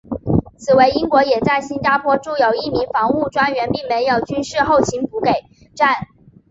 因此英国也在新加坡驻有一名防务专员并设有军事后勤补给站。